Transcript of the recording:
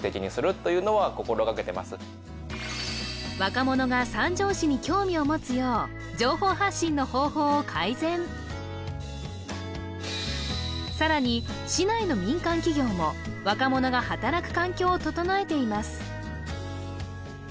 若者が三条市に興味を持つよう情報発信の方法を改善さらに市内の民間企業も若者が働く環境を整えています